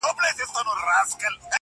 الله دي تا پر چا مین کړي.!